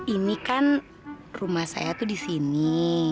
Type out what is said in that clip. ini kan rumah saya itu di sini